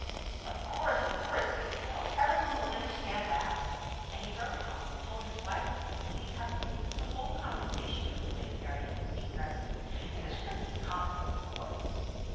"Of course, of course!" said the earl; "every one will understand that." And he rode home, and told his wife and Lady Cuxhaven the whole conversation between Lady Harriet and Mr. Preston; in the strictest confidence, of course.